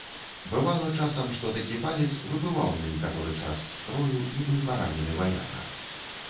Бывала часам, што такі палец выбываў на некаторы час з строю, нібы паранены ваяка.